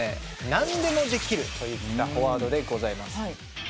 なんでもできるといったフォワードでございます。